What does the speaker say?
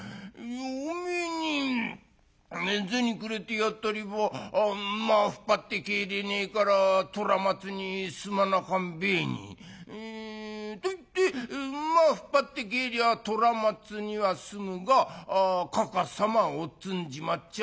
「おめえに銭くれてやったれば馬引っ張って帰れねえから虎松にすまなかんべえに。といって馬引っ張って帰りゃ虎松には済むがかかさまおっつんじまっちゃ